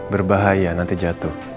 berbahaya nanti jatuh